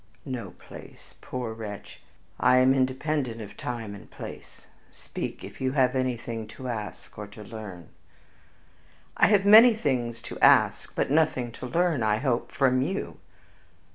"No place! poor wretch, I am independent of time and place. Speak, if you have anything to ask or to learn." "I have many things to ask, but nothing to learn, I hope, from you."